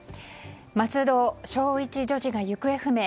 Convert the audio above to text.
松戸、小１女児が行方不明。